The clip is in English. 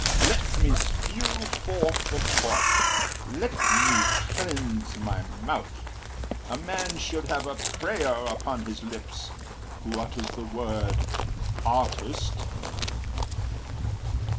Let me spew forth the thought! Let me cleanse my mouth! A man should have a prayer upon his lips who utters the word artist!